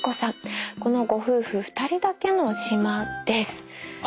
このご夫婦２人だけの島です。